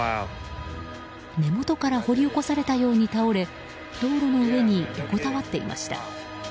根元から掘り起こされたように倒れ道路の上に横たわっていました。